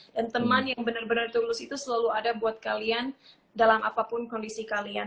dan teman yang benar benar tulus itu selalu ada buat kalian dalam apapun kondisi kalian